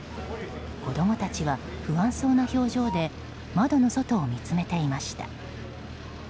子供たちは不安そうな表情で窓の外を見つめていました。